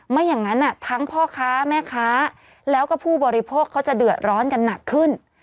ไม่อย่างนั้นทั้งพ่อค้าแม่ค้าแล้วก็ผู้บริโภคเขาจะเดือดร้อนกันหนักขึ้น